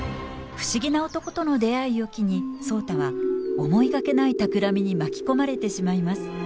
不思議な男との出会いを機に壮多は思いがけないたくらみに巻き込まれてしまいます。